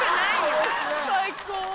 最高。